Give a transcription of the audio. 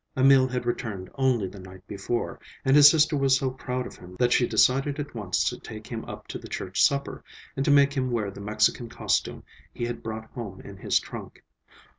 Emil had returned only the night before, and his sister was so proud of him that she decided at once to take him up to the church supper, and to make him wear the Mexican costume he had brought home in his trunk.